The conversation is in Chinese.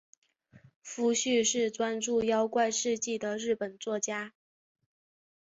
夫婿是专注妖怪事迹的日本作家。